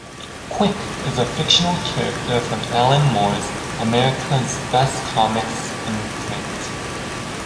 Quick is a fictional character from Alan Moore's America's Best Comics imprint.